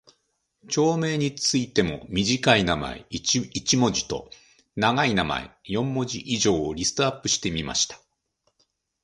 町村についても短い名前（一文字）と長い名前（四文字以上）をリストアップしてみました。